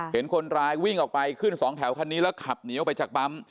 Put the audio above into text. เห็นคนร้ายวิ่งออกไปขึ้นสองแถวคันนี้แล้วขับหนีออกไปจากปั๊ม